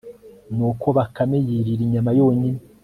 nuko bakame yirira inyama yonyine